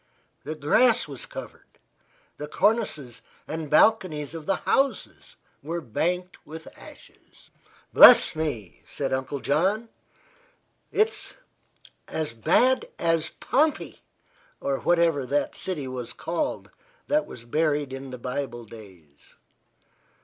The grass was covered; the cornices and balconies of the houses were banked with ashes. "Bless me!" said Uncle John. "It's as bad as Pompey, or whatever that city was called that was buried in the Bible days."